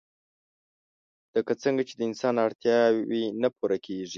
لکه څنګه چې د انسان اړتياوې نه پوره کيږي